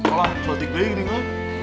oh lah jodoh cakra gini kan